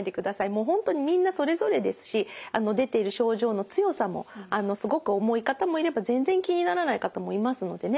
もう本当にみんなそれぞれですし出ている症状の強さもすごく重い方もいれば全然気にならない方もいますのでね。